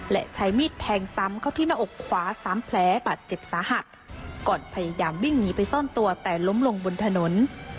และใช้มีดแทงซ้ำเข้าที่หน้าอกขวาสามแผลบาดเจ็บสาหัสก่อนพยายามวิ่งหนีไปซ่อนตัวแต่ล้มลงบนถนน